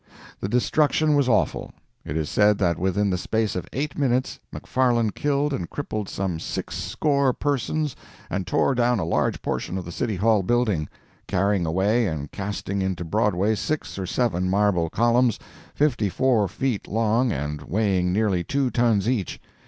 The destruction was awful. It is said that within the space of eight minutes McFarland killed and crippled some six score persons and tore down a large portion of the City Hall building, carrying away and casting into Broadway six or seven marble columns fifty four feet long and weighing nearly two tons each.